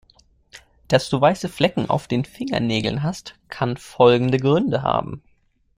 Dass du weiße Flecken auf den Fingernägeln hast, kann folgende Gründe haben.